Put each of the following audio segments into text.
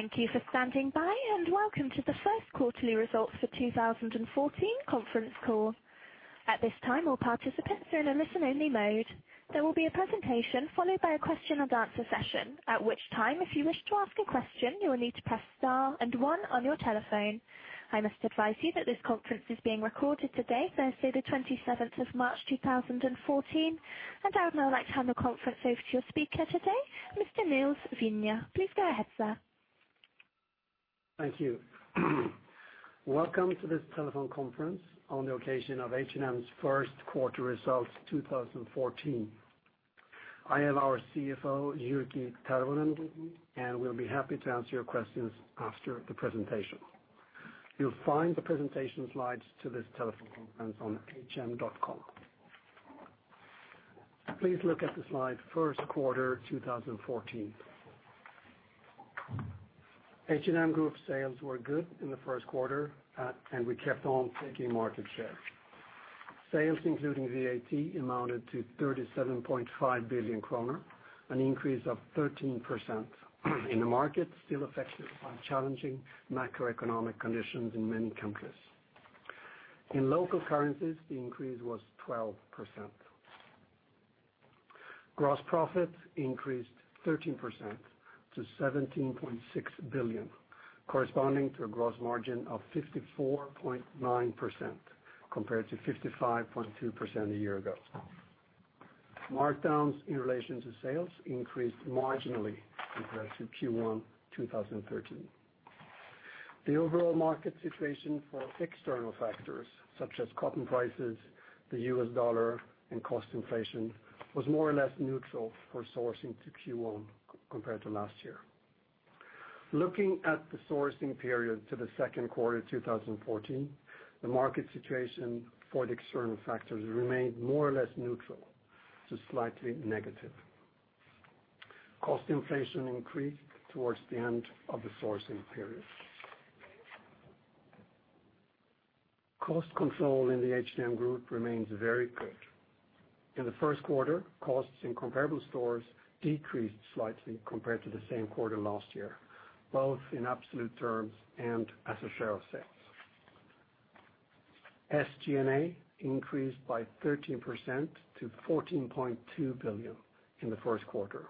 Thank you for standing by, welcome to the first quarterly results for 2014 conference call. At this time, all participants are in a listen-only mode. There will be a presentation followed by a question and answer session, at which time, if you wish to ask a question, you will need to press star and one on your telephone. I must advise you that this conference is being recorded today, Thursday the 27th of March, 2014. I would now like to hand the conference over to your speaker today, Mr. Nils Vinge. Please go ahead, sir. Thank you. Welcome to this telephone conference on the occasion of H&M's first quarter results 2014. I am our CFO, Jyrki Tervonen, we'll be happy to answer your questions after the presentation. You'll find the presentation slides to this telephone conference on hm.com. Please look at the slide, first quarter 2014. H&M group sales were good in the first quarter, we kept on taking market share. Sales including VAT amounted to 37.5 billion kronor, an increase of 13% in the market still affected by challenging macroeconomic conditions in many countries. In local currencies, the increase was 12%. Gross profit increased 13% to 17.6 billion, corresponding to a gross margin of 54.9% compared to 55.2% a year ago. Markdowns in relation to sales increased marginally compared to Q1 2013. The overall market situation for external factors such as cotton prices, the US dollar, and cost inflation was more or less neutral for sourcing to Q1 compared to last year. Looking at the sourcing period to the second quarter 2014, the market situation for the external factors remained more or less neutral to slightly negative. Cost inflation increased towards the end of the sourcing period. Cost control in the H&M group remains very good. In the first quarter, costs in comparable stores decreased slightly compared to the same quarter last year, both in absolute terms and as a share of sales. SG&A increased by 13% to 14.2 billion in the first quarter.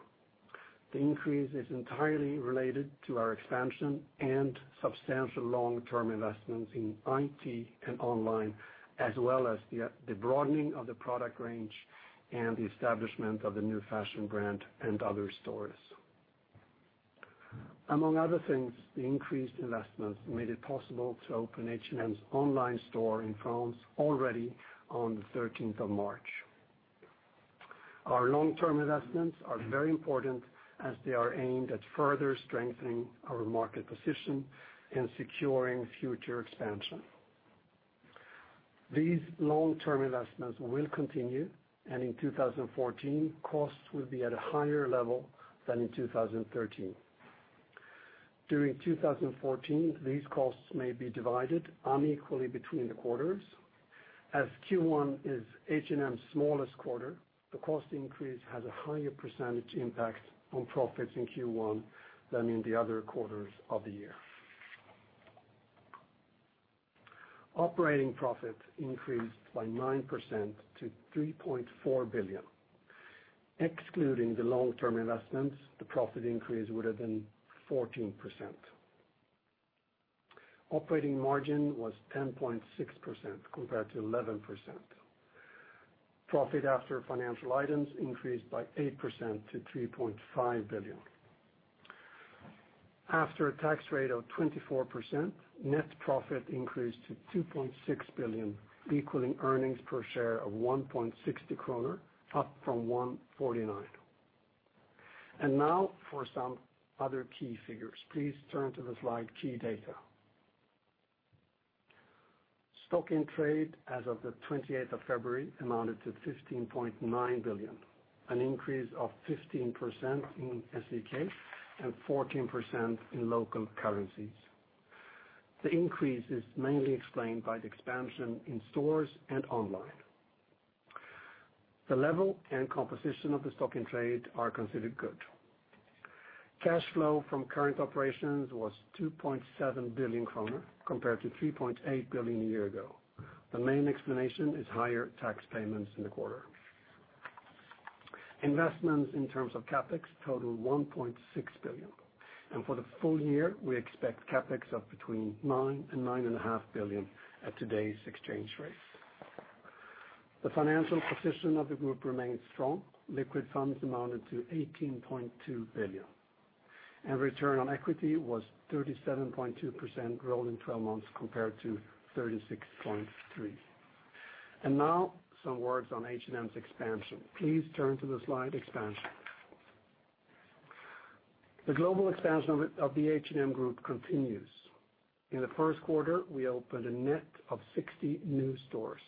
The increase is entirely related to our expansion and substantial long-term investments in IT and online, as well as the broadening of the product range and the establishment of the new fashion brand & Other Stories. Among other things, the increased investments made it possible to open H&M's online store in France already on the 13th of March. Our long-term investments are very important as they are aimed at further strengthening our market position and securing future expansion. These long-term investments will continue, in 2014, costs will be at a higher level than in 2013. During 2014, these costs may be divided unequally between the quarters. As Q1 is H&M's smallest quarter, the cost increase has a higher percentage impact on profits in Q1 than in the other quarters of the year. Operating profit increased by 9% to 3.4 billion. Excluding the long-term investments, the profit increase would have been 14%. Operating margin was 10.6% compared to 11%. Profit after financial items increased by 8% to 3.5 billion. After a tax rate of 24%, net profit increased to 2.6 billion, equaling earnings per share of 1.60 kronor, up from 1.49. Now for some other key figures. Please turn to the slide, key data. Stock in trade as of the 28th of February amounted to 15.9 billion, an increase of 15% in SEK and 14% in local currencies. The increase is mainly explained by the expansion in stores and online. The level and composition of the stock in trade are considered good. Cash flow from current operations was 2.7 billion kronor compared to 3.8 billion a year ago. The main explanation is higher tax payments in the quarter. Investments in terms of CapEx total 1.6 billion, and for the full year, we expect CapEx of between 9 billion and 9.5 billion at today's exchange rate. The financial position of the group remains strong. Liquid funds amounted to 18.2 billion, and return on equity was 37.2% growth in 12 months compared to 36.3%. Now some words on H&M's expansion. Please turn to the slide, expansion. The global expansion of the H&M group continues. In the first quarter, we opened a net of 60 new stores,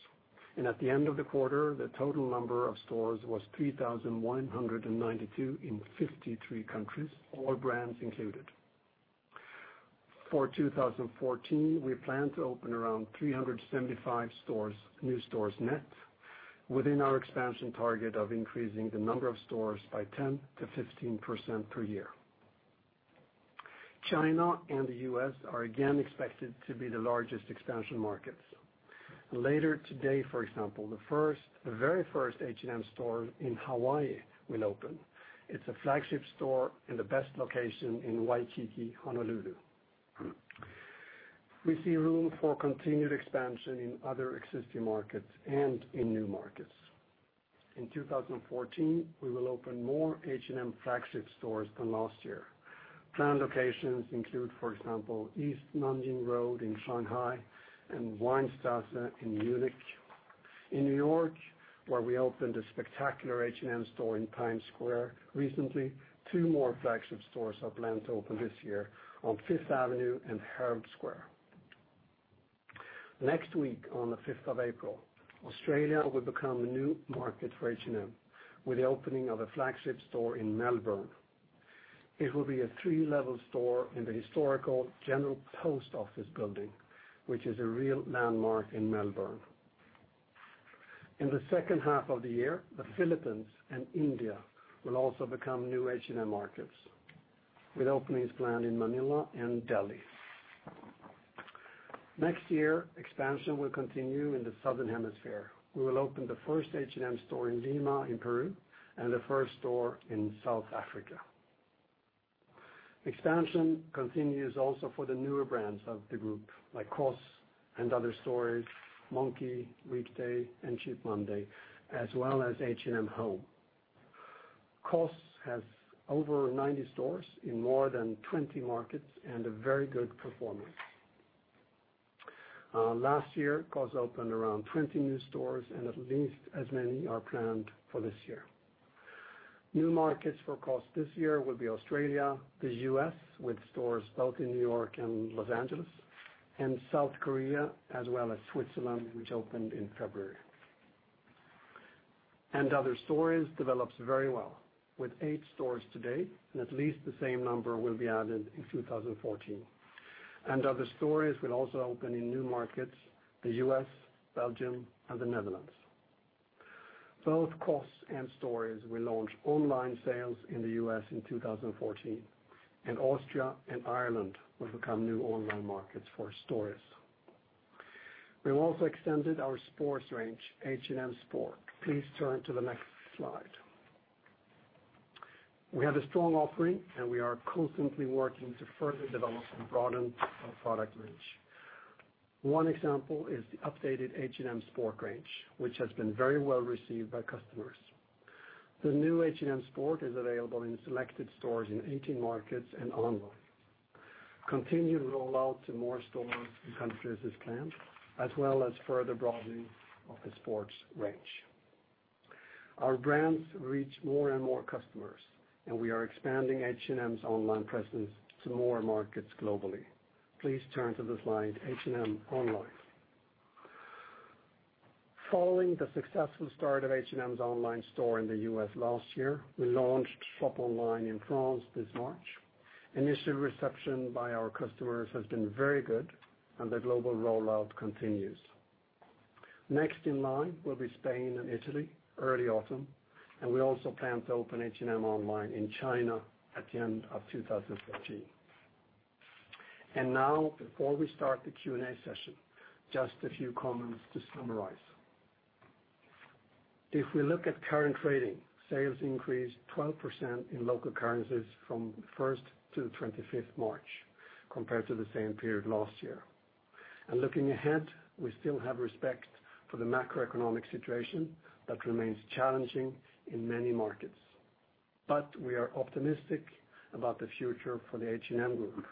and at the end of the quarter, the total number of stores was 3,192 in 53 countries, all brands included. For 2014, we plan to open around 375 new stores net within our expansion target of increasing the number of stores by 10%-15% per year. China and the U.S. are again expected to be the largest expansion markets. Later today, for example, the very first H&M store in Hawaii will open. It's a flagship store in the best location in Waikiki, Honolulu. We see room for continued expansion in other existing markets and in new markets. In 2014, we will open more H&M flagship stores than last year. Planned locations include, for example, East Nanjing Road in Shanghai and Weinstraße in Munich. In New York, where we opened a spectacular H&M store in Times Square recently, two more flagship stores are planned to open this year on Fifth Avenue and Herald Square. Next week, on the 5th of April, Australia will become a new market for H&M with the opening of a flagship store in Melbourne. It will be a three-level store in the historical General Post Office building, which is a real landmark in Melbourne. In the second half of the year, the Philippines and India will also become new H&M markets, with openings planned in Manila and Delhi. Next year, expansion will continue in the Southern Hemisphere. We will open the first H&M store in Lima in Peru and the first store in South Africa. Expansion continues also for the newer brands of the group, like COS, & Other Stories, Monki, Weekday, and Cheap Monday, as well as H&M Home. COS has over 90 stores in more than 20 markets and a very good performance. Last year, COS opened around 20 new stores, and at least as many are planned for this year. New markets for COS this year will be Australia, the U.S., with stores both in New York and Los Angeles, and South Korea as well as Switzerland, which opened in February. & Other Stories develops very well, with eight stores today and at least the same number will be added in 2014. & Other Stories will also open in new markets, the U.S., Belgium, and the Netherlands. Both COS and Stories will launch online sales in the U.S. in 2014, and Austria and Ireland will become new online markets for Stories. We have also extended our sports range, H&M Sport. Please turn to the next slide. We have a strong offering, and we are constantly working to further develop and broaden our product range. One example is the updated H&M Sport range, which has been very well received by customers. The new H&M Sport is available in selected stores in 18 markets and online. Continued rollout to more stores and countries is planned, as well as further broadening of the sports range. Our brands reach more and more customers, and we are expanding H&M's online presence to more markets globally. Please turn to the slide H&M Online. Following the successful start of H&M's online store in the U.S. last year, we launched shop online in France this March. Initial reception by our customers has been very good, the global rollout continues. Next in line will be Spain and Italy early autumn, we also plan to open H&M Online in China at the end of 2014. Now, before we start the Q&A session, just a few comments to summarize. If we look at current trading, sales increased 12% in local currencies from the 1st to the 25th March compared to the same period last year. Looking ahead, we still have respect for the macroeconomic situation that remains challenging in many markets. We are optimistic about the future for the H&M Group.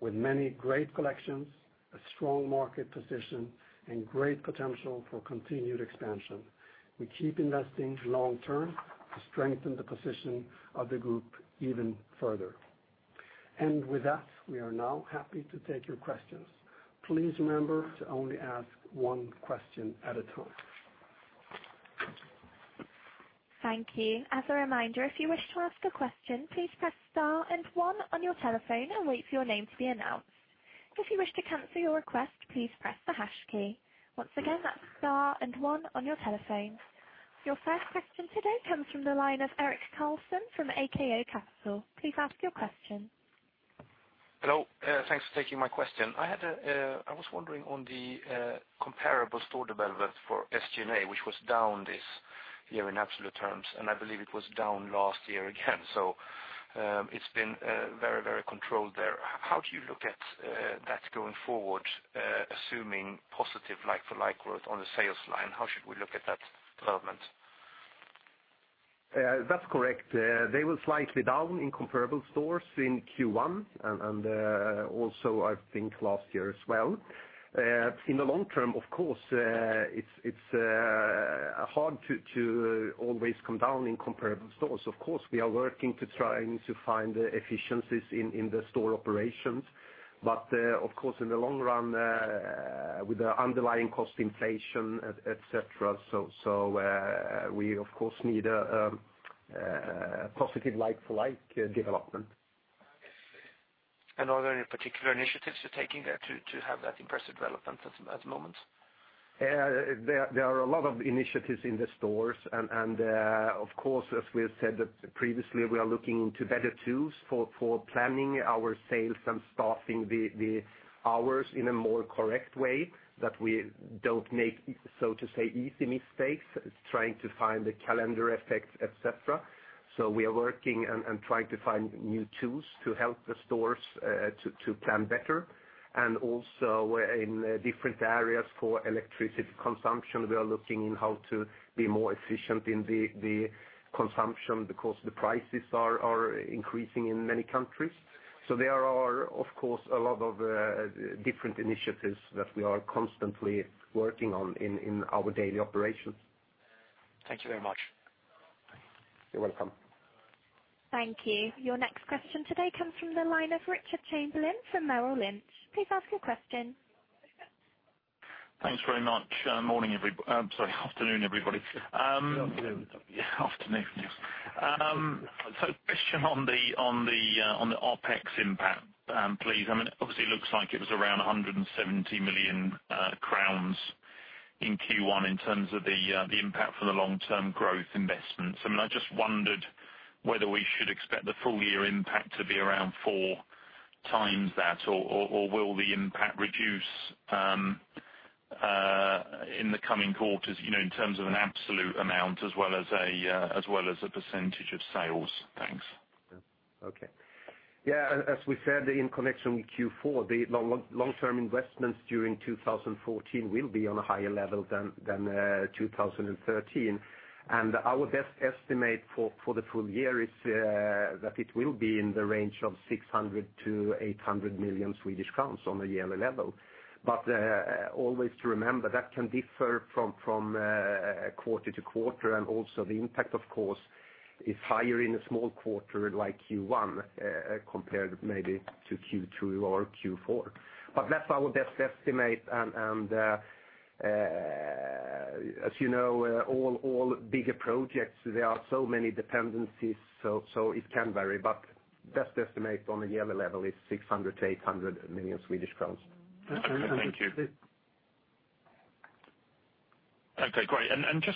With many great collections, a strong market position, and great potential for continued expansion, we keep investing long term to strengthen the position of the group even further. With that, we are now happy to take your questions. Please remember to only ask one question at a time. Thank you. As a reminder, if you wish to ask a question, please press star and one on your telephone and wait for your name to be announced. If you wish to cancel your request, please press the hash key. Once again, that's star and one on your telephone. Your first question today comes from the line of Erik Carlson from AKO Capital. Please ask your question. Hello. Thanks for taking my question. I was wondering on the comparable store development for SG&A, which was down this year in absolute terms, and I believe it was down last year again. It's been very controlled there. How do you look at that going forward, assuming positive like-for-like growth on the sales line? How should we look at that development? That's correct. They were slightly down in comparable stores in Q1 and also I think last year as well. In the long term, of course, it's hard to always come down in comparable stores. Of course, we are working to try to find efficiencies in the store operations. Of course, in the long run, with the underlying cost inflation, et cetera, we of course need a positive like-for-like development. Are there any particular initiatives you're taking there to have that impressive relevance at the moment? There are a lot of initiatives in the stores. Of course, as we have said previously, we are looking to better tools for planning our sales and staffing the hours in a more correct way that we don't make, so to say, easy mistakes, trying to find the calendar effects, et cetera. We are working and trying to find new tools to help the stores to plan better. Also in different areas for electricity consumption, we are looking in how to be more efficient in the consumption because the prices are increasing in many countries. There are, of course, a lot of different initiatives that we are constantly working on in our daily operations. Thank you very much. You're welcome. Thank you. Your next question today comes from the line of Richard Chamberlain from Merrill Lynch. Please ask your question. Thanks very much. Morning. Sorry, afternoon, everybody. Afternoon. Question on the OPEX impact, please. It obviously looks like it was around 170 million crowns in Q1 in terms of the impact for the long-term growth investments. I just wondered whether we should expect the full year impact to be around four times that, or will the impact reduce in the coming quarters, in terms of an absolute amount as well as a percentage of sales. Thanks. Okay. As we said in connection with Q4, the long-term investments during 2014 will be on a higher level than 2013. Our best estimate for the full year is that it will be in the range of 600 million-800 million Swedish crowns on a yearly level. Always to remember, that can differ from quarter to quarter and also the impact, of course, is higher in a small quarter like Q1 compared maybe to Q2 or Q4. That's our best estimate and as you know, all bigger projects, there are so many dependencies, so it can vary, but best estimate on a yearly level is 600 million-800 million Swedish crowns. Okay, thank you. Okay, great.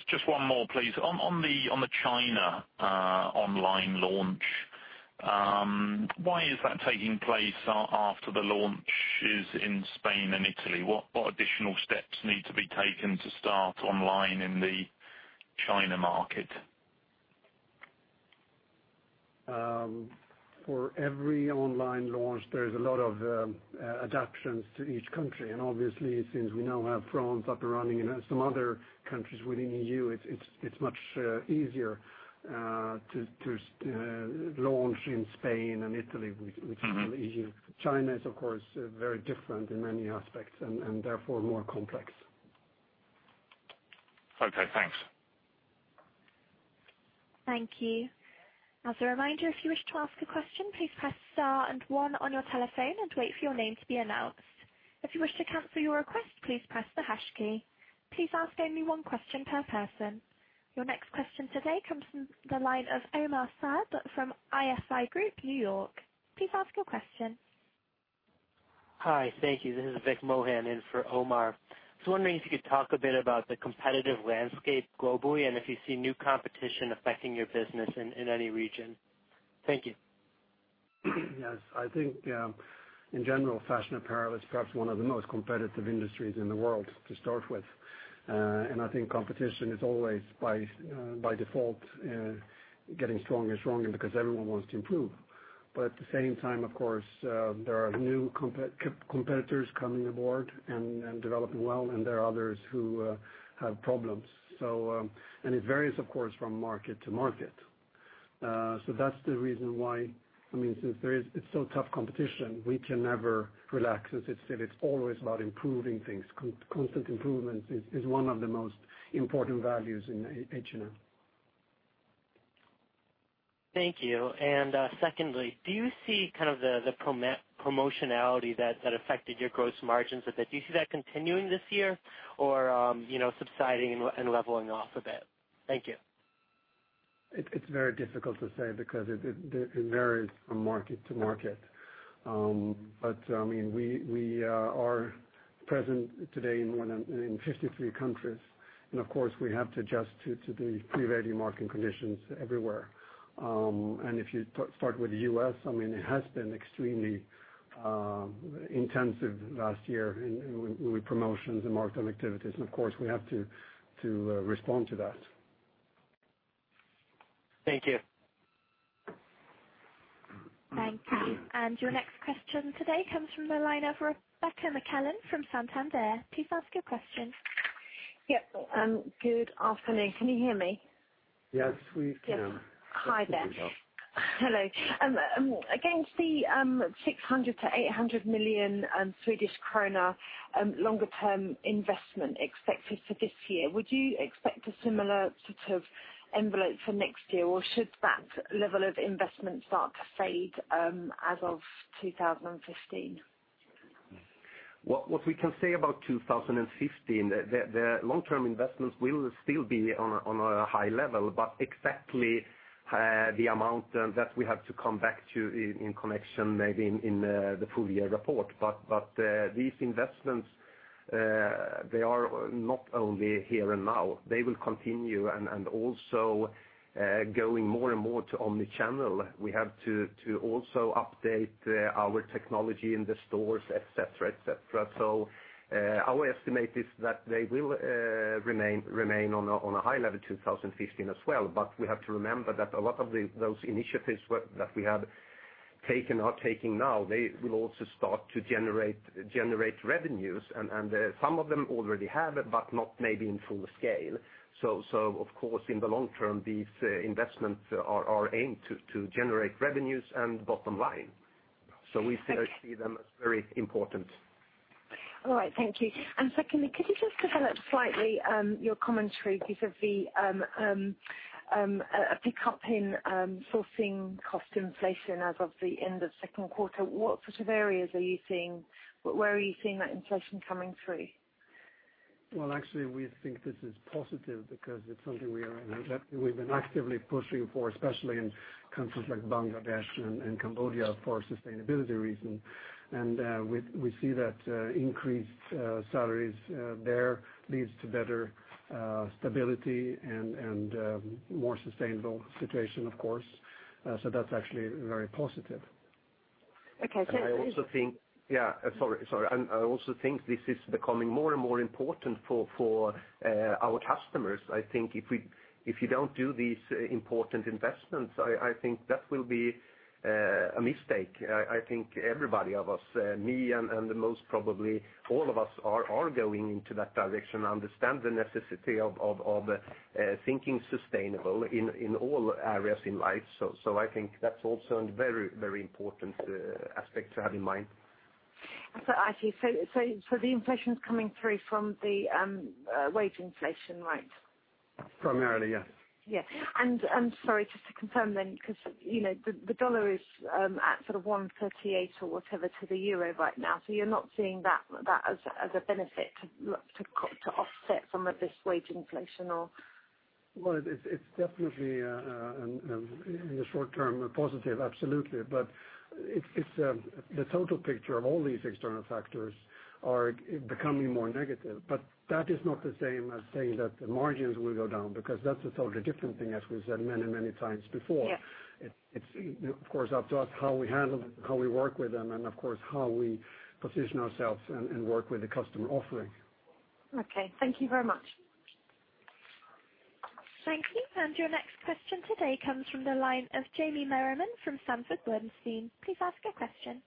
Just one more, please. On the China online launch, why is that taking place after the launches in Spain and Italy? What additional steps need to be taken to start online in the China market? For every online launch, there is a lot of adaptations to each country. Obviously, since we now have France up and running and some other countries within EU, it's much easier to launch in Spain and Italy, which is now EU. China is of course very different in many aspects and therefore more complex. Okay, thanks. Thank you. As a reminder, if you wish to ask a question, please press star and one on your telephone and wait for your name to be announced. If you wish to cancel your request, please press the hash key. Please ask only one question per person. Your next question today comes from the line of Omar Saad from ISI Group, New York. Please ask your question. Hi, thank you. This is Vickram Mohan in for Omar. Just wondering if you could talk a bit about the competitive landscape globally and if you see new competition affecting your business in any region. Thank you. Yes, I think, in general, fashion apparel is perhaps one of the most competitive industries in the world to start with. I think competition is always by default getting stronger and stronger because everyone wants to improve. At the same time, of course, there are new competitors coming aboard and developing well, and there are others who have problems. It varies, of course, from market to market. That's the reason why, since it's so tough competition, we can never relax, as I said, it's always about improving things. Constant improvement is one of the most important values in H&M. Thank you. Secondly, do you see the promotionality that affected your gross margins a bit? Do you see that continuing this year or subsiding and leveling off a bit? Thank you. It's very difficult to say because it varies from market to market. We are present today in 53 countries, and of course, we have to adjust to the prevailing market conditions everywhere. If you start with the U.S., it has been extremely intensive last year with promotions and marketing activities, and of course we have to respond to that. Thank you. Thank you. Your next question today comes from the line of Rebecca McClellan from Santander. Please ask your question. Yep. Good afternoon. Can you hear me? Yes, we can. Hi there. Hello. Against the 600 million-800 million Swedish krona longer-term investment expected for this year, would you expect a similar sort of envelope for next year? Should that level of investment start to fade as of 2015? What we can say about 2015, the long-term investments will still be on a high level, exactly the amount that we have to come back to in connection maybe in the full year report. These investments, they are not only here and now. They will continue, and also going more and more to omnichannel. We have to also update our technology in the stores, et cetera. Our estimate is that they will remain on a high level in 2015 as well. We have to remember that a lot of those initiatives that we have taken or are taking now, they will also start to generate revenues, and some of them already have, but not maybe in full scale. Of course, in the long term, these investments are aimed to generate revenues and bottom line. Okay. We still see them as very important. All right. Thank you. Secondly, could you just develop slightly your commentary vis-a-vis a pickup in sourcing cost inflation as of the end of second quarter. What sort of areas are you seeing? Where are you seeing that inflation coming through? Well, actually, we think this is positive because it's something we've been actively pushing for, especially in countries like Bangladesh and Cambodia for sustainability reasons. We see that increased salaries there leads to better stability and a more sustainable situation, of course. That's actually very positive. Okay. Yeah, sorry. I also think this is becoming more and more important for our customers. I think if you don't do these important investments, I think that will be a mistake. I think everybody of us, me and the most probably all of us, are going into that direction and understand the necessity of thinking sustainable in all areas in life. I think that's also a very important aspect to have in mind. I see. The inflation's coming through from the wage inflation, right? Primarily, yes. Yes. Sorry, just to confirm then, because the dollar is at 138 or whatever to the euro right now, you're not seeing that as a benefit to offset some of this wage inflation, or? Well, it's definitely, in the short term, a positive, absolutely. The total picture of all these external factors are becoming more negative. That is not the same as saying that the margins will go down, because that's a totally different thing, as we said many times before. Yes. It's of course, up to us how we handle them, how we work with them, and of course, how we position ourselves and work with the customer offering. Okay. Thank you very much. Thank you. Your next question today comes from the line of Jamie Merriman from Sanford Bernstein. Please ask your question.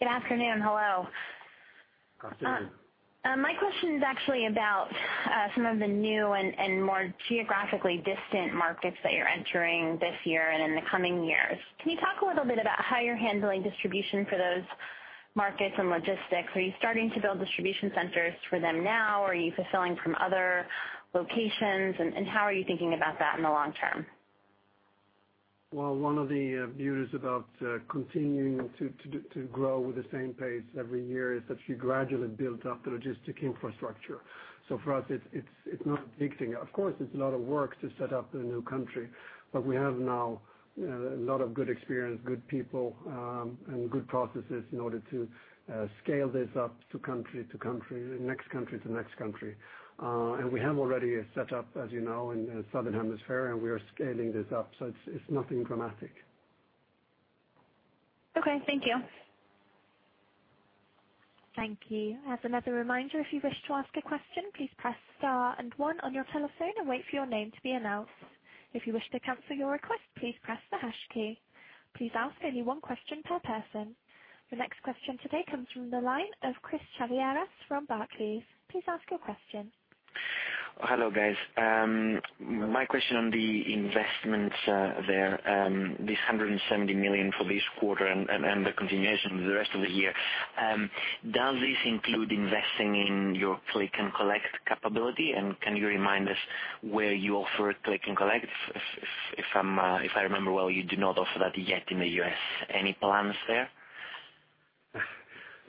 Good afternoon. Hello. Good afternoon. My question is actually about some of the new and more geographically distant markets that you're entering this year and in the coming years. Can you talk a little bit about how you're handling distribution for those markets and logistics? Are you starting to build distribution centers for them now, or are you fulfilling from other locations, and how are you thinking about that in the long term? Well, one of the views about continuing to grow with the same pace every year is that you gradually build up the logistic infrastructure. For us, it's not big thing. Of course, it's a lot of work to set up in a new country, but we have now a lot of good experience, good people, and good processes in order to scale this up to country to country, the next country to the next country. We have already set up, as you know, in the Southern Hemisphere, and we are scaling this up. It's nothing dramatic. Okay. Thank you. Thank you. As another reminder, if you wish to ask a question, please press star and one on your telephone and wait for your name to be announced. If you wish to cancel your request, please press the hash key. Please ask only one question per person. The next question today comes from the line of Christodoulos Chaviaras from Barclays. Please ask your question. Hello, guys. My question on the investments there, this 170 million for this quarter and the continuation of the rest of the year, does this include investing in your click and collect capability, and can you remind us where you offer click and collect? If I remember well, you do not offer that yet in the U.S. Any plans there?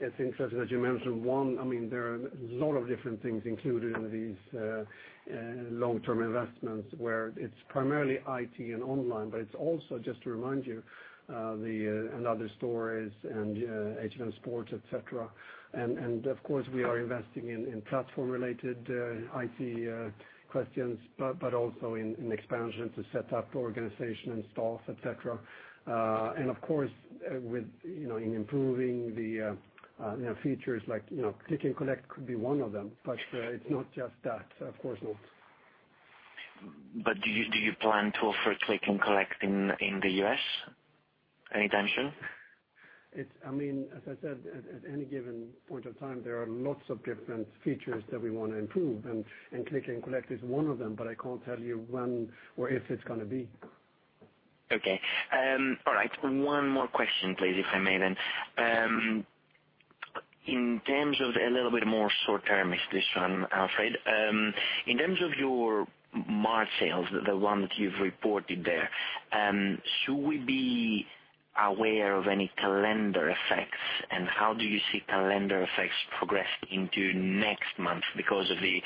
It's interesting that you mention one. There are a lot of different things included in these long-term investments where it's primarily IT and online, but it's also, just to remind you, another store is H&M Sport, et cetera. Of course, we are investing in platform-related IT questions, but also in expansion to set up organization and staff, et cetera. Of course, in improving the features like click and collect could be one of them. It's not just that, of course not. Do you plan to offer click and collect in the U.S.? Any intention? As I said, at any given point of time, there are lots of different features that we want to improve, and click and collect is one of them, but I can't tell you when or if it's going to be. Okay. All right. One more question, please, if I may, then. In terms of a little bit more short-term is this one, Alfred. In terms of your March sales, the one that you've reported there, should we be aware of any calendar effects? How do you see calendar effects progress into next month because of the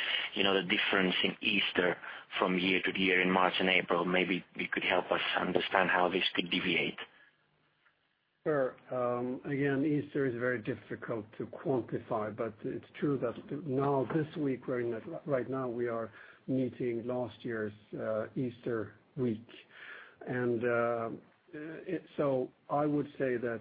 difference in Easter from year-to-year in March and April? Maybe you could help us understand how this could deviate. Sure. Again, Easter is very difficult to quantify, but it's true that now this week, right now we are meeting last year's Easter week. I would say that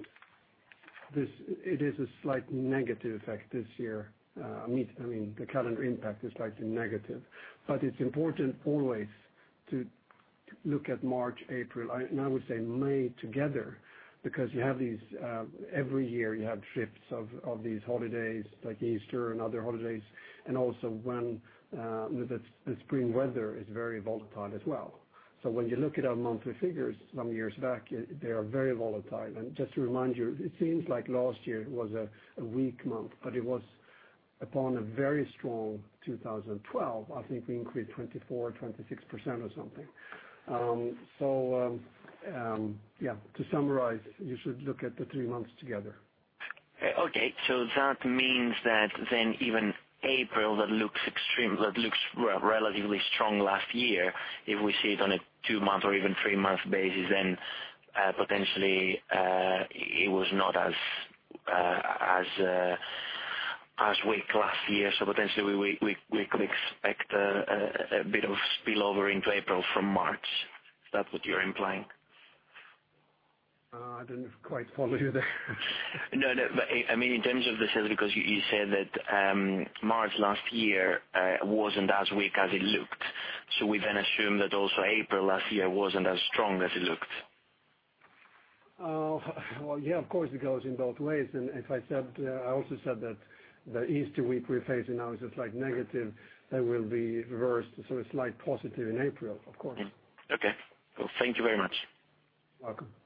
it is a slight negative effect this year. The calendar impact is slightly negative. It's important always to look at March, April, and I would say May together, because every year you have shifts of these holidays like Easter and other holidays, and also when the spring weather is very volatile as well. When you look at our monthly figures some years back, they are very volatile. Just to remind you, it seems like last year was a weak month, but it was upon a very strong 2012. I think we increased 24% or 26% or something. Yeah, to summarize, you should look at the three months together. Okay. That means that then even April, that looks relatively strong last year, if we see it on a two-month or even three-month basis, then potentially it was not as weak last year, so potentially we could expect a bit of spillover into April from March. Is that what you're implying? I didn't quite follow you there. I mean in terms of the sales, because you said that March last year wasn't as weak as it looked. We then assume that also April last year wasn't as strong as it looked. Well, yeah, of course, it goes in both ways. I also said that the Easter week we're facing now is a slight negative that will be reversed, so a slight positive in April, of course. Okay. Well, thank you very much. Welcome. Thank you.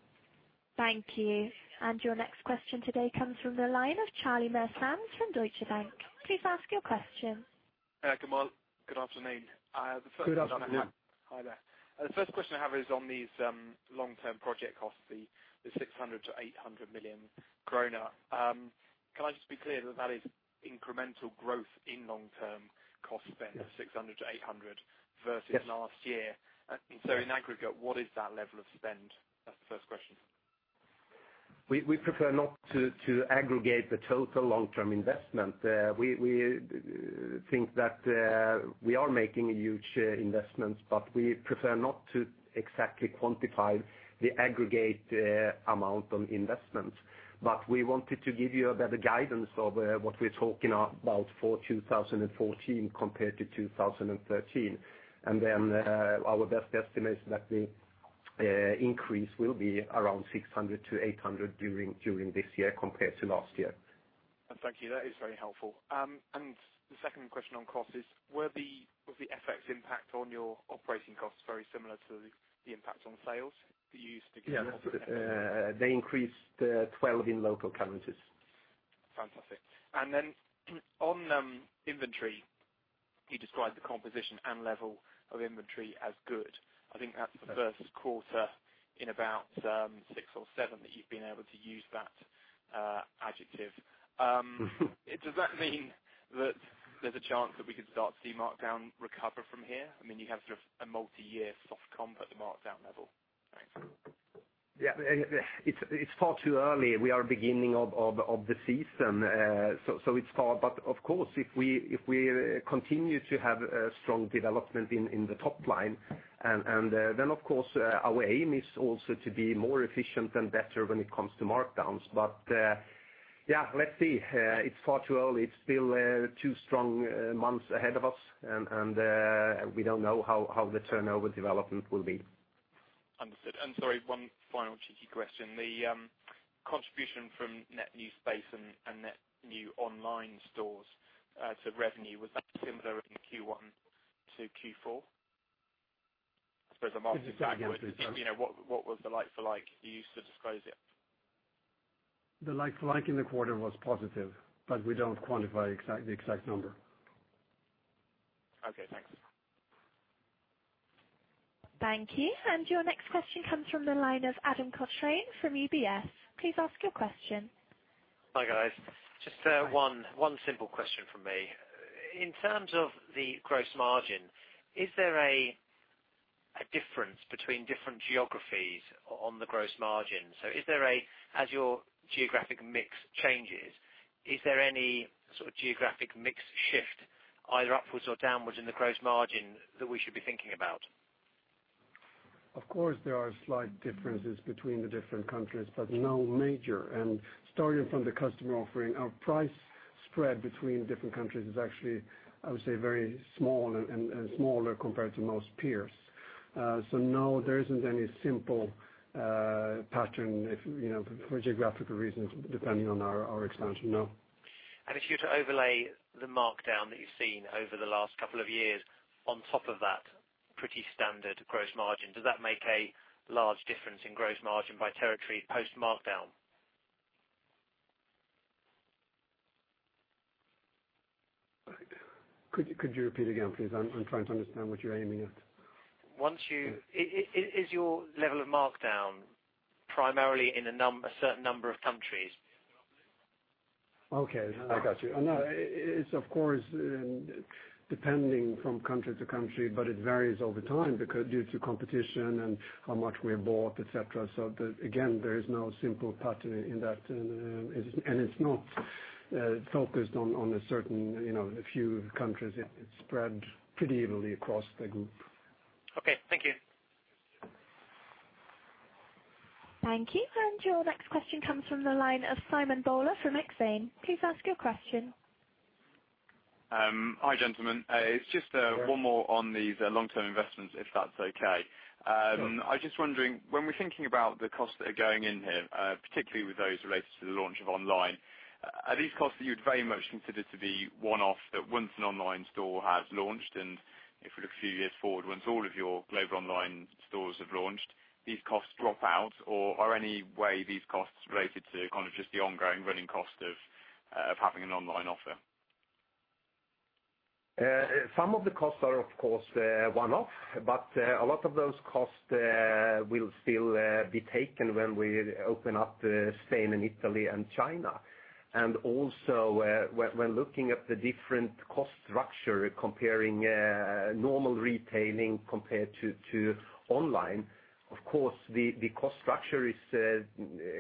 Your next question today comes from the line of Charlie Muir-Sands from Deutsche Bank. Please ask your question. Good afternoon. Good afternoon. Hi there. The first question I have is on these long-term project costs, the 600 million-800 million kronor. Can I just be clear that is incremental growth in long-term cost spend of 600-800 versus- Yes last year? In aggregate, what is that level of spend? That's the first question. We prefer not to aggregate the total long-term investment. We think that we are making huge investments, but we prefer not to exactly quantify the aggregate amount on investment. We wanted to give you a better guidance of what we're talking about for 2014 compared to 2013. Our best estimate is that the increase will be around 600-800 during this year compared to last year. Thank you. That is very helpful. The second question on cost is, was the FX impact on your operating costs very similar to the impact on sales that you used to give? Yes. They increased 12% in local currencies. Fantastic. Then on inventory, you described the composition and level of inventory as good. I think that's the first quarter in about six or seven that you've been able to use that adjective. Does that mean that there's a chance that we could start to see markdown recover from here? You have a multi-year soft comp at the markdown level. Thanks. Yeah. It's far too early. We are beginning of the season, so it's far, but of course, if we continue to have a strong development in the top line, and then, of course, our aim is also to be more efficient and better when it comes to markdowns. Yeah, let's see. It's far too early. It's still two strong months ahead of us, and we don't know how the turnover development will be. Understood. Sorry, one final cheeky question. The contribution from net new space and net new online stores to revenue, was that similar in Q1 to Q4? I suppose I'm asking. Say again. backwards. What was the like-for-like you used to disclose it? The like-for-like in the quarter was positive, we don't quantify the exact number. Okay, thanks. Thank you. Your next question comes from the line of Adam Cochrane from UBS. Please ask your question. Hi, guys. Just one simple question from me. In terms of the gross margin, is there a difference between different geographies on the gross margin? As your geographic mix changes, is there any sort of geographic mix shift either upwards or downwards in the gross margin that we should be thinking about? Of course, there are slight differences between the different countries, but no major. Starting from the customer offering, our price spread between different countries is actually, I would say, very small and smaller compared to most peers. No, there isn't any simple pattern for geographical reasons depending on our expansion, no. If you were to overlay the markdown that you've seen over the last couple of years on top of that pretty standard gross margin. Does that make a large difference in gross margin by territory post-markdown? Could you repeat again, please? I'm trying to understand what you're aiming at. Is your level of markdown primarily in a certain number of countries? Okay, I got you. No, it's of course, depending from country to country, but it varies over time due to competition and how much we have bought, et cetera. Again, there is no simple pattern in that. It's not focused on a certain few countries. It's spread pretty evenly across the group. Okay, thank you. Thank you. Your next question comes from the line of Simon Bowler from Exane. Please ask your question. Hi, gentlemen. It's just one more on these long-term investments, if that's okay. Sure. I'm just wondering, when we're thinking about the costs that are going in here, particularly with those related to the launch of online, are these costs that you'd very much consider to be one-off, that once an online store has launched and if we look a few years forward, once all of your global online stores have launched, these costs drop out? Or are any way these costs related to kind of just the ongoing running cost of having an online offer? Some of the costs are, of course, one-off, but a lot of those costs will still be taken when we open up Spain and Italy and China. When looking at the different cost structure, comparing normal retailing compared to online, of course, the cost structure is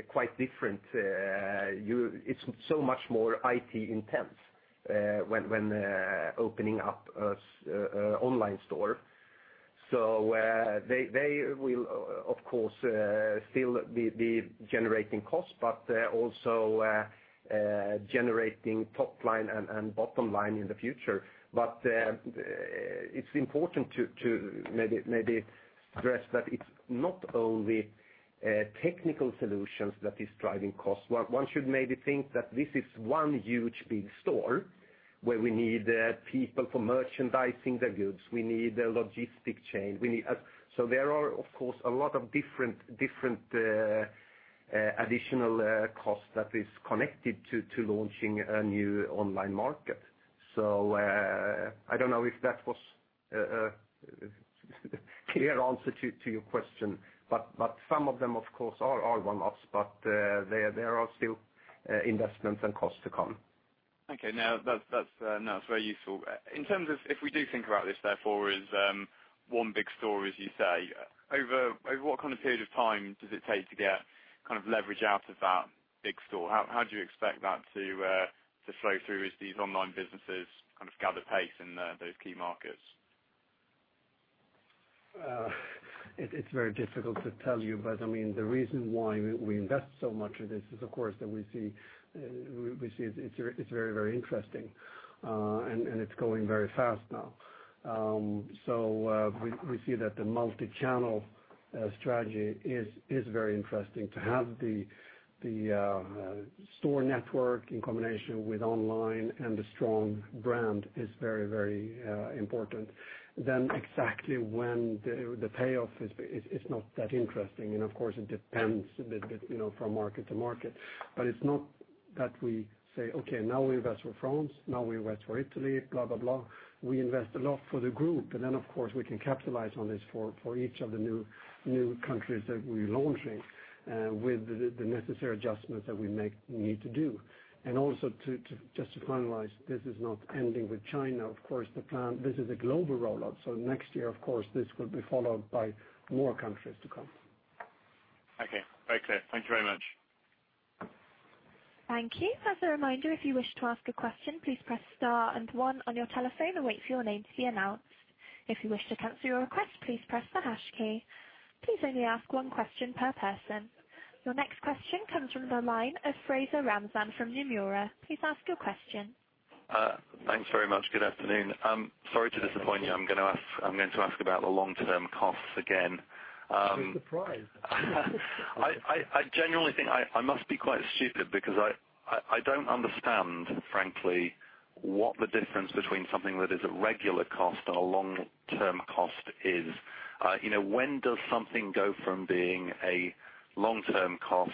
quite different. It's so much more IT intense when opening up an online store. They will, of course, still be generating costs, but also generating top line and bottom line in the future. It's important to maybe address that it's not only technical solutions that is driving costs. One should maybe think that this is one huge, big store, where we need people for merchandising the goods. We need a logistic chain. There are, of course, a lot of different additional costs that is connected to launching a new online market. I don't know if that was a clear answer to your question, but some of them, of course, are one-offs, but there are still investments and costs to come. Okay. No, that's very useful. In terms of if we do think about this, therefore, as one big store, as you say, over what kind of period of time does it take to get leverage out of that big store? How do you expect that to flow through as these online businesses gather pace in those key markets? It's very difficult to tell you, but the reason why we invest so much in this is, of course, that we see it's very, very interesting. It's growing very fast now. We see that the multi-channel strategy is very interesting. To have the store network in combination with online and a strong brand is very, very important. Exactly when the payoff is not that interesting, and of course it depends from market to market. It's not that we say, "Okay, now we invest for France, now we invest for Italy," blah, blah. We invest a lot for the group. Then, of course, we can capitalize on this for each of the new countries that we're launching, with the necessary adjustments that we need to do. Also, just to finalize, this is not ending with China. Of course, this is a global rollout, next year, of course, this will be followed by more countries to come. Okay. Very clear. Thank you very much. Thank you. As a reminder, if you wish to ask a question, please press star and one on your telephone and wait for your name to be announced. If you wish to cancel your request, please press the hash key. Please only ask one question per person. Your next question comes from the line of Fraser Ramzan from Nomura. Please ask your question. Thanks very much. Good afternoon. Sorry to disappoint you. I'm going to ask about the long-term costs again. What a surprise. I genuinely think I must be quite stupid because I don't understand, frankly, what the difference between something that is a regular cost and a long-term cost is. When does something go from being a long-term cost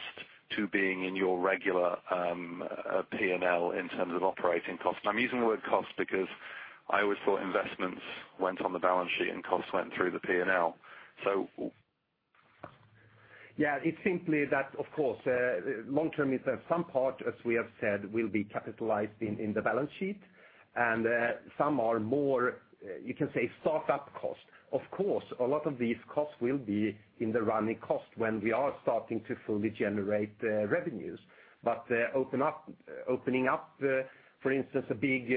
to being in your regular P&L in terms of operating costs? I'm using the word cost because I always thought investments went on the balance sheet and costs went through the P&L. Yeah, it's simply that, of course, long-term is some part, as we have said, will be capitalized in the balance sheet. Some are more, you can say startup costs. Of course, a lot of these costs will be in the running cost when we are starting to fully generate revenues. Opening up, for instance, a big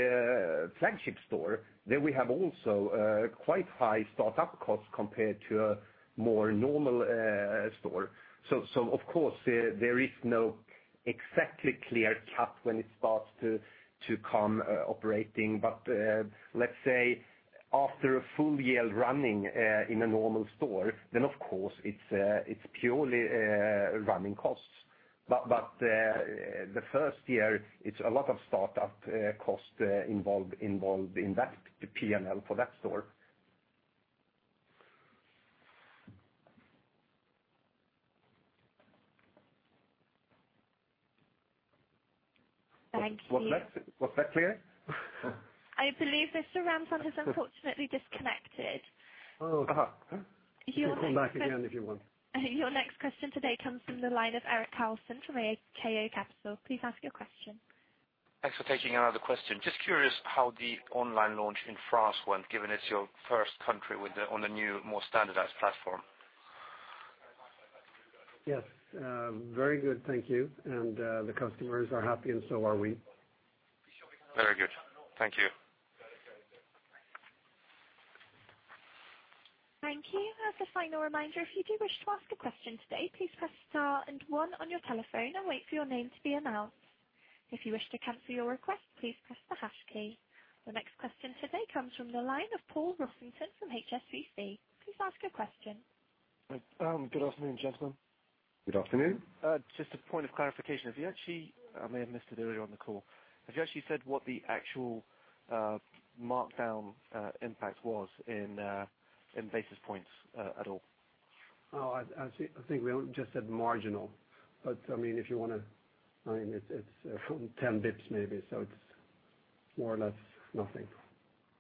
flagship store, there we have also quite high startup costs compared to a more normal store. Of course, there is no exactly clear cut when it starts to come operating. Let's say after a full year of running in a normal store, then of course, it's purely running costs. The first year, it's a lot of startup cost involved in the P&L for that store. Thank you. Was that clear? I believe Mr. Ramzan has unfortunately disconnected. Oh. Aha. Your next- You can come back again if you want. Your next question today comes from the line of Erik Carlson from AKO Capital. Please ask your question. Thanks for taking another question. Just curious how the online launch in France went, given it's your first country on the new, more standardized platform. Yes. Very good, thank you. The customers are happy, and so are we. Very good. Thank you. Thank you. As a final reminder, if you do wish to ask a question today, please press star and one on your telephone and wait for your name to be announced. If you wish to cancel your request, please press the hash key. The next question today comes from the line of Paul Rossington from HSBC. Please ask your question. Good afternoon, gentlemen. Good afternoon. Just a point of clarification. I may have missed it earlier on the call. Have you actually said what the actual markdown impact was in basis points at all? Oh, I think we only just said marginal. If you want to, it's 10 bips maybe, it's more or less nothing.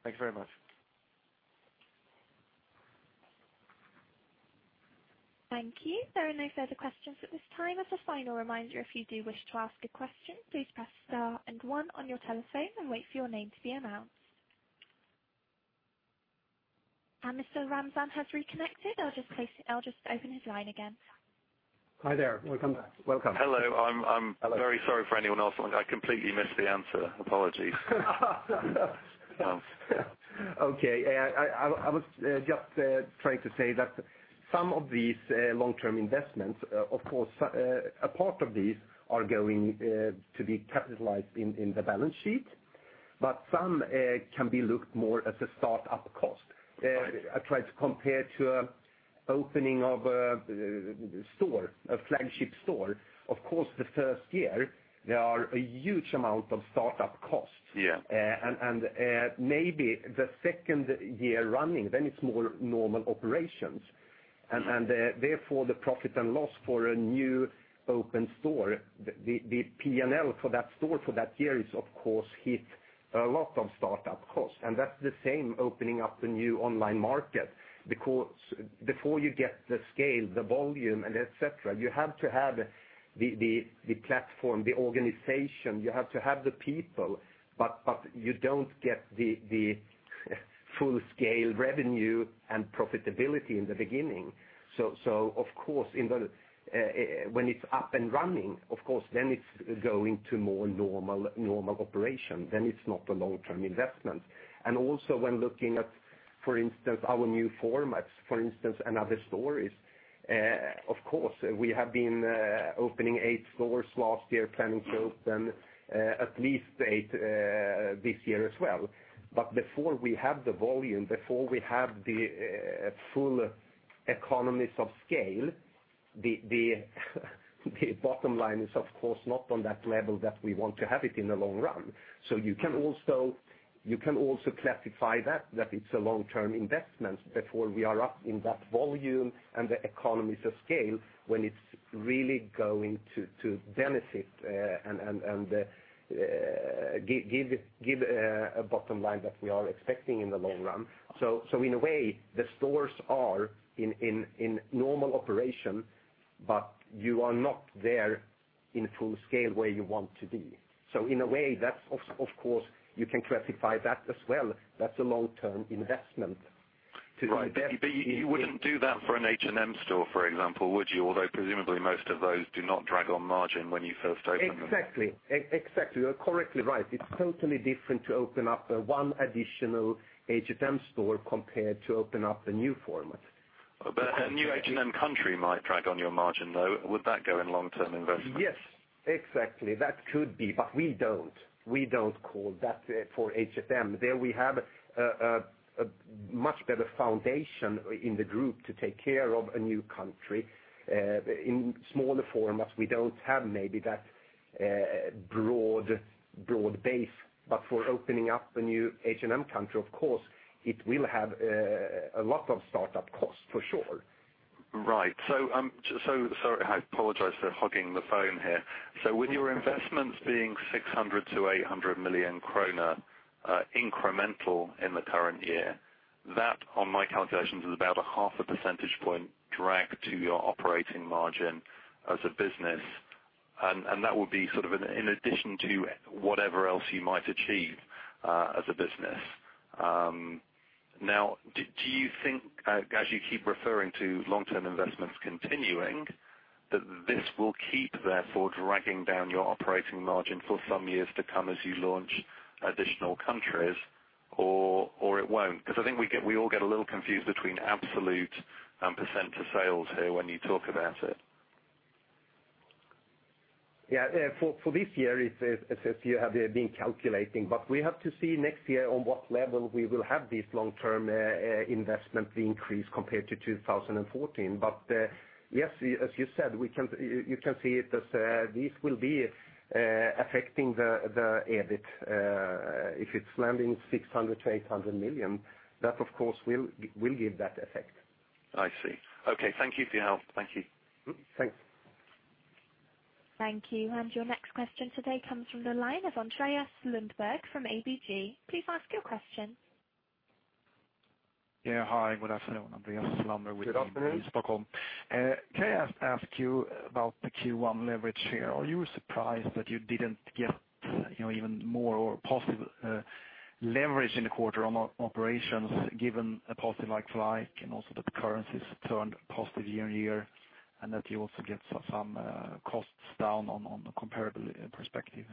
Thanks very much. Thank you. There are no further questions at this time. As a final reminder, if you do wish to ask a question, please press star and one on your telephone and wait for your name to be announced. Mr. Ramzan has reconnected. I'll just open his line again. Hi there. Welcome. Hello. Hello. I'm very sorry for anyone else. I completely missed the answer. Apologies. Okay. I was just trying to say that some of these long-term investments, of course, a part of these are going to be capitalized in the balance sheet, but some can be looked more as a start-up cost. Right. I tried to compare to opening of a flagship store. Of course, the first year, there are a huge amount of start-up costs. Yeah. Maybe the second year running, then it's more normal operations. Therefore, the profit and loss for a new open store, the P&L for that store for that year is, of course, hit a lot of start-up costs. That's the same opening up a new online market. Before you get the scale, the volume, and et cetera, you have to have the platform, the organization, you have to have the people, you don't get the full-scale revenue and profitability in the beginning. Of course, when it's up and running, then it's going to more normal operation. It's not a long-term investment. Also when looking at, for instance, our new formats, for instance, & Other Stories, of course, we have been opening eight stores last year, planning to open at least eight this year as well. Before we have the volume, before we have the full economies of scale, the bottom line is of course not on that level that we want to have it in the long run. You can also classify that it's a long-term investment before we are up in that volume and the economies of scale, when it's really going to benefit and give a bottom line that we are expecting in the long run. In a way, the stores are in normal operation, but you are not there in full scale where you want to be. In a way, you can classify that as well. That's a long-term investment to invest in. Right. You wouldn't do that for an H&M store, for example, would you? Although presumably, most of those do not drag on margin when you first open them. Exactly. You are correctly right. It's totally different to open up one additional H&M store compared to open up a new format. A new H&M country might drag on your margin, though. Would that go in long-term investment? Yes. Exactly. We don't. We don't call that for H&M. There we have a much better foundation in the group to take care of a new country. In smaller formats, we don't have maybe that broad base. For opening up a new H&M country, of course, it will have a lot of start-up costs, for sure. Right. I apologize for hogging the phone here. With your investments being 600 million-800 million kronor incremental in the current year, that, on my calculations, is about a half a percentage point drag to your operating margin as a business. That would be in addition to whatever else you might achieve as a business. Do you think, as you keep referring to long-term investments continuing, that this will keep, therefore, dragging down your operating margin for some years to come as you launch additional countries, or it won't? I think we all get a little confused between absolute and percent of sales here when you talk about it. Yeah. For this year, as you have been calculating, we have to see next year on what level we will have this long-term investment increase compared to 2014. Yes, as you said, you can see it as this will be affecting the EBIT. If it's landing 600 million-800 million, that, of course, will give that effect. I see. Okay. Thank you for your help. Thank you. Thanks. Thank you. Your next question today comes from the line of Andreas Lundberg from ABG. Please ask your question. Yeah. Hi, good afternoon. Andreas Lundberg with ABG Stockholm. Good afternoon. Can I ask you about the Q1 leverage here? Are you surprised that you didn't get even more positive leverage in the quarter on operations, given a positive like-for-like, and also that the currencies turned positive year-on-year, and that you also get some costs down on a comparable perspective?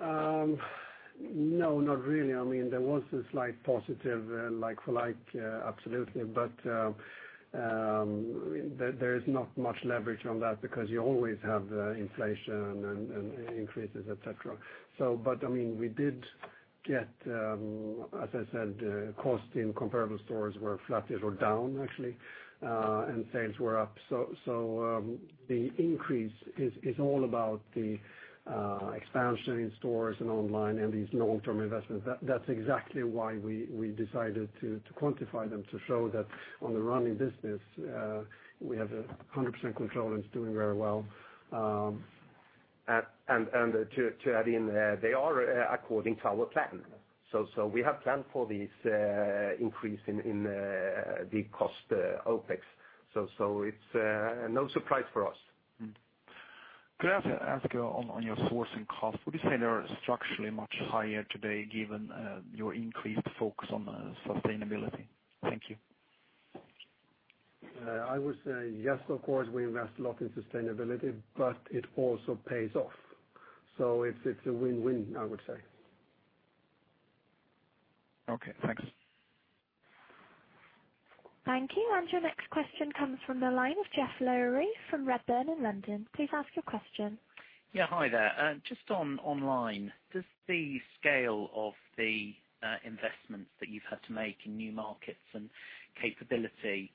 No, not really. There was a slight positive like-for-like, absolutely. There is not much leverage on that because you always have inflation and increases, et cetera. We did get, as I said, cost in comparable stores were flat or down actually, and sales were up. The increase is all about the expansion in stores and online and these long-term investments. That's exactly why we decided to quantify them to show that on the running business, we have 100% control and it's doing very well. To add in, they are according to our plan. We have planned for this increase in the cost OPEX. It's no surprise for us. Could I ask on your sourcing cost, would you say they are structurally much higher today given your increased focus on sustainability? Thank you. I would say yes, of course, we invest a lot in sustainability, but it also pays off. It's a win-win, I would say. Okay, thanks. Thank you. Your next question comes from the line of Geoff Lowery from Redburn in London. Please ask your question. Yeah, hi there. Just on online, does the scale of the investments that you've had to make in new markets and capability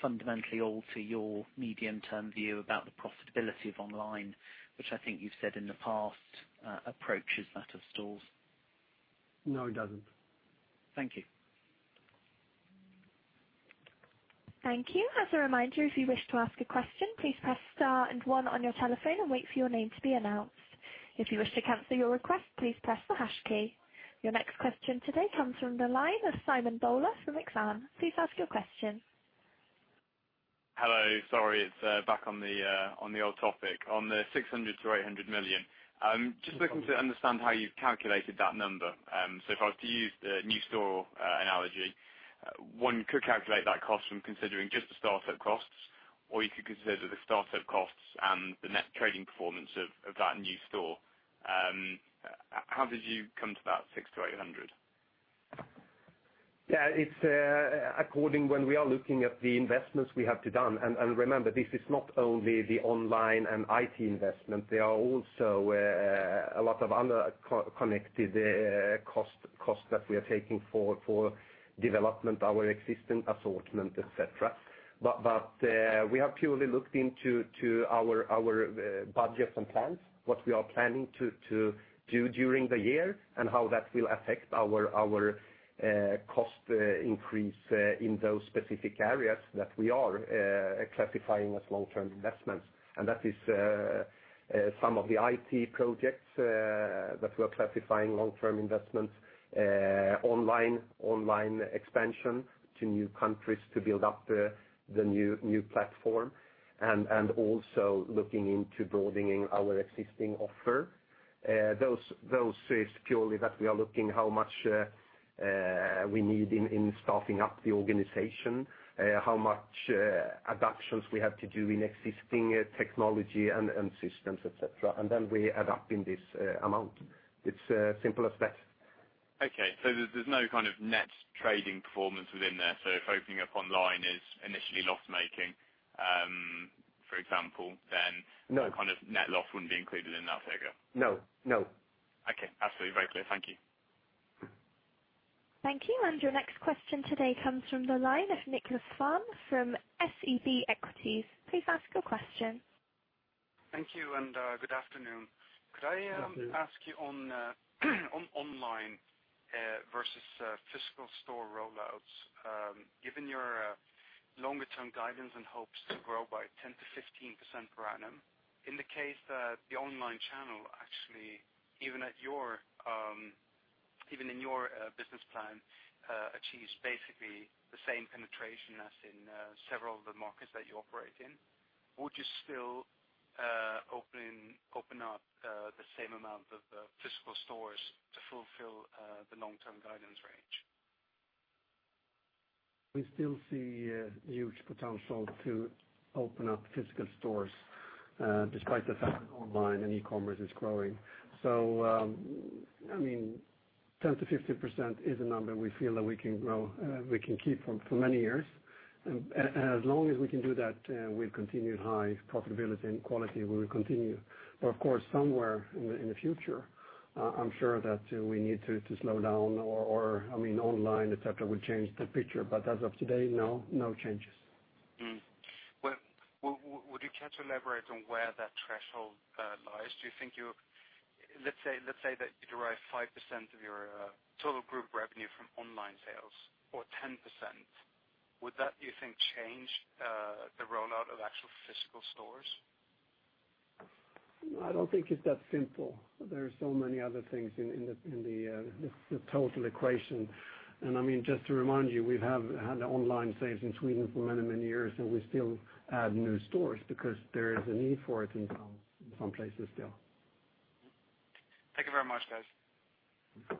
fundamentally alter your medium-term view about the profitability of online, which I think you've said in the past approaches that of stores? No, it doesn't. Thank you. Thank you. As a reminder, if you wish to ask a question, please press star and one on your telephone and wait for your name to be announced. If you wish to cancel your request, please press the hash key. Your next question today comes from the line of Simon Bowler from Exane. Please ask your question. Hello, sorry, it is back on the old topic. On the 600 million-800 million, just looking to understand how you have calculated that number. If I was to use the new store analogy, one could calculate that cost from considering just the startup costs, or you could consider the startup costs and the net trading performance of that new store. How did you come to that 600 to 800? Yeah, it is according when we are looking at the investments we have to do, remember, this is not only the online and IT investment, there are also a lot of other connected costs that we are taking for development, our existing assortment, et cetera. We have purely looked into our budgets and plans, what we are planning to do during the year, and how that will affect our cost increase in those specific areas that we are classifying as long-term investments. That is some of the IT projects that we are classifying long-term investments, online expansion to new countries to build up the new platform, and also looking into broadening our existing offer. That is purely that we are looking how much we need in staffing up the organization, how much adaptations we have to do in existing technology and systems, et cetera. We add up in this amount. It is simple as that. Okay. There is no kind of net trading performance within there. If opening up online is initially loss-making, for example, then No kind of net loss wouldn't be included in that figure? No. Okay. Absolutely. Very clear. Thank you. Thank you. Your next question today comes from the line of Niklas Farn from SEB Equity. Please ask your question. Thank you, good afternoon. Good afternoon. Could I ask you on online versus physical store rollouts, given your longer-term guidance and hopes to grow by 10%-15% per annum, in the case that the online channel, actually, even in your business plan, achieves basically the same penetration as in several of the markets that you operate in, would you still open up the same amount of physical stores to fulfill the long-term guidance range? We still see huge potential to open up physical stores despite the fact that online and e-commerce is growing. 10%-15% is a number we feel that we can keep for many years. As long as we can do that, with continued high profitability and quality, we will continue. Of course, somewhere in the future, I'm sure that we need to slow down, or online, et cetera, will change the picture. As of today, no changes. Would you care to elaborate on where that threshold lies? Let's say that you derive 5% of your total group revenue from online sales, or 10%. Would that, do you think, change the rollout of actual physical stores? No, I don't think it's that simple. There are so many other things in the total equation. Just to remind you, we have had online sales in Sweden for many, many years, and we still add new stores because there is a need for it in some places still. Thank you very much, guys.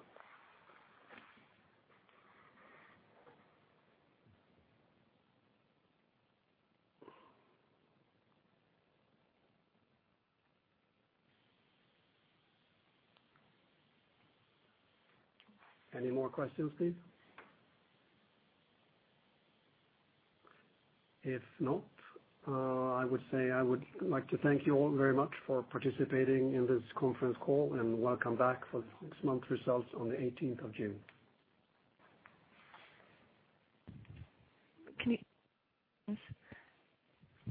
Any more questions, please? If not, I would say I would like to thank you all very much for participating in this conference call, and welcome back for the six-month results on the 18th of June. Can you-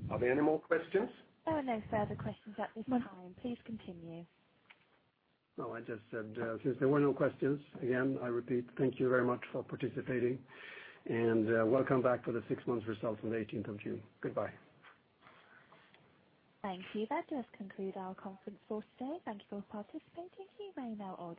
Are there any more questions? There are no further questions at this time. Please continue. No, I just said, since there were no questions, again, I repeat, thank you very much for participating. Welcome back for the six months results on the 18th of June. Goodbye. Thank you. That does conclude our conference call today. Thank you for participating. You may now all disconnect.